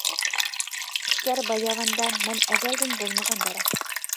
قۇشلار باياۋاندا مەن ئەزەلدىن بولمىغان دەرەخ.